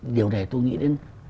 điều này tôi nghĩ đến